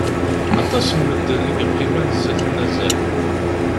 Aṭas n medden i yeqqimen zzat unazal.